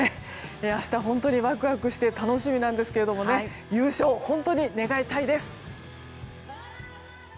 明日本当にワクワクして楽しみなんですが優勝、本当に願いたいです。